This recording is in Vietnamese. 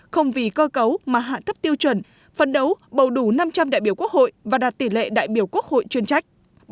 không vì cơ cấu mà hạ thấp tiêu chuẩn phân đấu bầu đủ năm trăm linh đại biểu quốc hội và đạt tỷ lệ đại biểu quốc hội chuyên trách